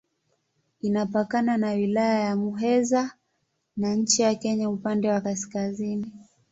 Inapakana na Wilaya ya Muheza na nchi ya Kenya upande wa kaskazini.